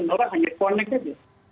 orang hanya connect saja